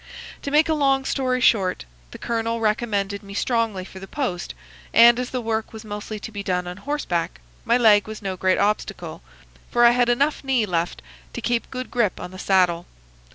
To make a long story short, the colonel recommended me strongly for the post and, as the work was mostly to be done on horseback, my leg was no great obstacle, for I had enough knee left to keep good grip on the saddle.